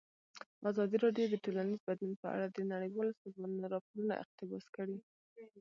ازادي راډیو د ټولنیز بدلون په اړه د نړیوالو سازمانونو راپورونه اقتباس کړي.